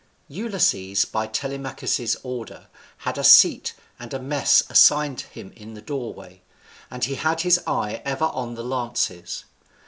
Ulysses, by Telemachus's order, had a seat and a mess assigned him in the doorway, and he had his eye ever on the lances.